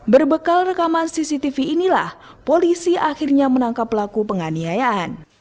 berbekal rekaman cctv inilah polisi akhirnya menangkap pelaku penganiayaan